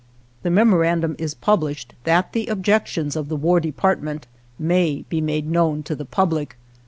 The memorandum is published that the objections of the War Department may be made known to the public.